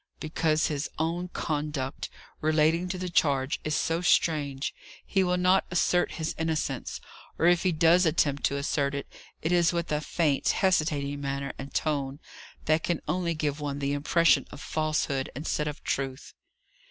"Because his own conduct, relating to the charge, is so strange. He will not assert his innocence; or, if he does attempt to assert it, it is with a faint, hesitating manner and tone, that can only give one the impression of falsehood, instead of truth."